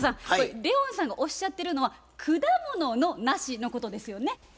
これレオンさんがおっしゃってるのは果物のナシのことですよね。